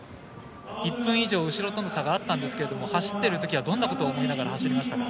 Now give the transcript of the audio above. １分以上、後ろとの差があったんですが走っているときはどんなことを思いながら走りましたか？